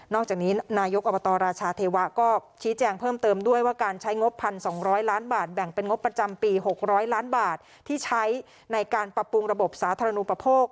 จากนี้นายกอบตราชาเทวะก็ชี้แจงเพิ่มเติมด้วยว่าการใช้งบ๑๒๐๐ล้านบาทแบ่งเป็นงบประจำปี๖๐๐ล้านบาทที่ใช้ในการปรับปรุงระบบสาธารณูปโภค